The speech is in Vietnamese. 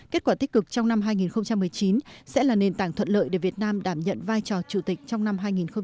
kết quả tích cực trong năm hai nghìn một mươi chín sẽ là nền tảng thuận lợi để việt nam đảm nhận vai trò chủ tịch trong năm hai nghìn hai mươi